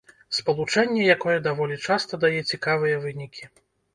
Спалучэнне, якое даволі часта дае цікавыя вынікі.